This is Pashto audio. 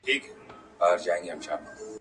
د هرات لرغونی ولایت یې ,